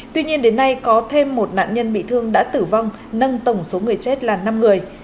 tuy nhiên đến nay có thêm một nạn nhân bị thương đã tử vong nâng tổng số người chết là năm người